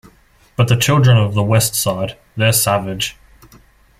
But the children of the West Side - they're savage.